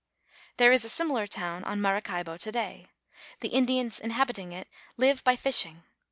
There is a similar town on Maracaibo to day. The Indians inhabiting it live by fishing.